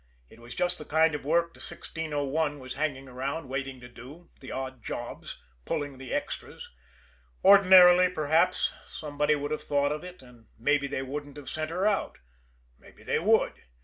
It was just the kind of work the 1601 was hanging around waiting to do the odd jobs pulling the extras. Ordinarily, perhaps, somebody would have thought of it, and maybe they wouldn't have sent her out maybe they would.